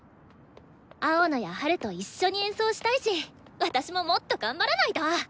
青野やハルと一緒に演奏したいし私ももっと頑張らないと！